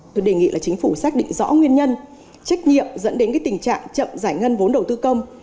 tôi đề nghị là chính phủ xác định rõ nguyên nhân trách nhiệm dẫn đến tình trạng chậm giải ngân vốn đầu tư công